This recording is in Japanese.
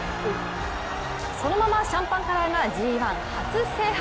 そのままシャンパンカラーがＧⅠ初制覇！